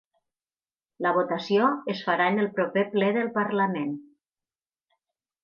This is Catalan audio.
La votació es farà en el proper ple del parlament